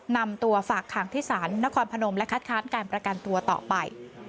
นำตัวฝากขังที่ศาลนครพนมและคัดค้านการประกันตัวต่อไป